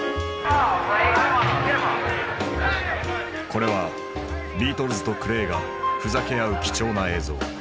これはビートルズとクレイがふざけ合う貴重な映像。